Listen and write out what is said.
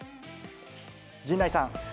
陣内さん。